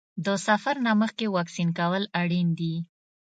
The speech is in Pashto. د سفر نه مخکې واکسین کول اړین دي.